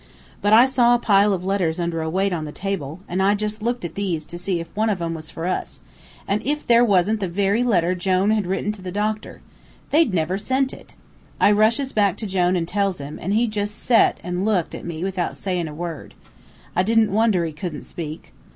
But I saw a pile of letters under a weight on the table, an' I jus' looked at these to see if one of 'em was for us, an' if there wasn't the very letter Jone had written to the doctor! They'd never sent it! I rushes back to Jone an' tells him, an' he jus' set an' looked at me without sayin' a word. I didn't wonder he couldn't speak.